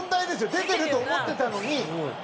出てると思ってたのに。